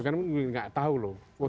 karena tidak tahu loh